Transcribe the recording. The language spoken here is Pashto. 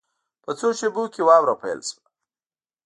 په څو شېبو کې واوره پیل شوه.